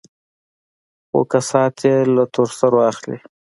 خو كسات يې له تور سرو اخلي.